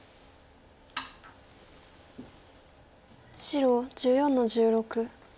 白１４の十六。